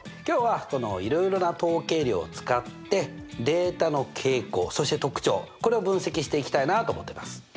今日はいろいろな統計量を使ってデータの傾向そして特徴これを分析していきたいなと思ってます。